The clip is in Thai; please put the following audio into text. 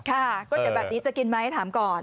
ก๋วยเตี๋ยวแบบนี้จะกินไหมถามก่อน